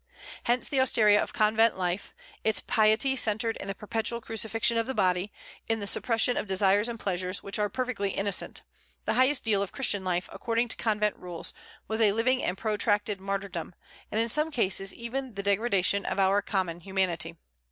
Hence the austerity of convent life. Its piety centred in the perpetual crucifixion of the body, in the suppression of desires and pleasures which are perfectly innocent. The highest ideal of Christian life, according to convent rules, was a living and protracted martyrdom, and in some cases even the degradation of our common humanity.